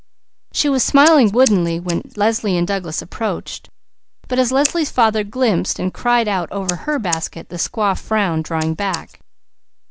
She was smiling woodenly when Leslie and Douglas approached, but as Leslie's father glimpsed and cried out over her basket, the squaw frowned, drawing back.